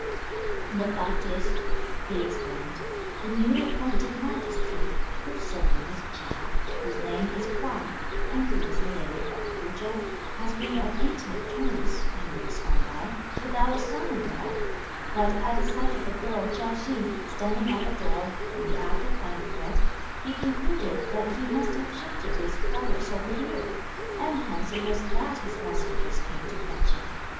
"The fact is," he explained, "the newly appointed Magistrate, whose surname is Chia, whose name is Huo and who is a native of Hu chow, has been on intimate terms, in years gone by, with our son in law; that at the sight of the girl Chiao Hsing, standing at the door, in the act of buying thread, he concluded that he must have shifted his quarters over here, and hence it was that his messengers came to fetch him.